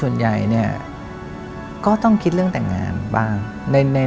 ยำชัดตรงนี้